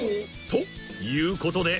［ということで］